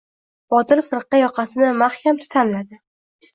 Botir firqa yoqasini mahkam tutamladi.